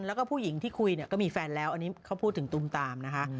แล้วก็ผู้หญิงที่คุยเนี่ยก็มีแฟนแล้วอันนี้เขาพูดถึงตุมตามนะคะ